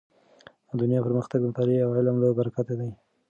دنیا پرمختګ د مطالعې او علم له برکته دی.